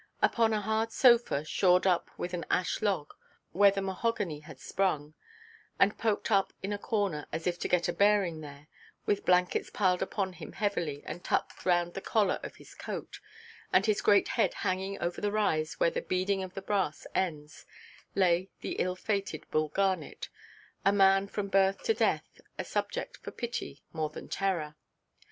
Upon a hard sofa, shored up with an ash–log where the mahogany was sprung, and poked up into a corner as if to get a bearing there, with blankets piled upon him heavily and tucked round the collar of his coat, and his great head hanging over the rise where the beading of the brass ends, lay the ill–fated Bull Garnet,—a man from birth to death a subject for pity more than terror.